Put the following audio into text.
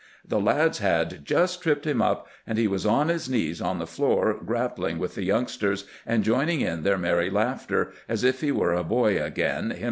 The lads had just tripped him up, and he was on his knees on the floor grappling with the youngsters, and joining in their merry laughter, as if he were a boy again himseK.